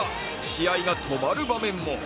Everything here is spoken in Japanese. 試合が止まる場面も。